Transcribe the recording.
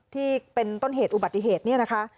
ที่เป็นต้นเหตุอุบัติเหตุเนี่ยนะคะ